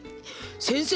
先生